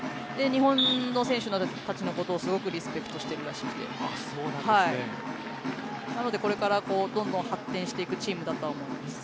日本の選手の人たちのことをすごくリスペクトしているらしくてなので、これからどんどん発展していくチームだと思います。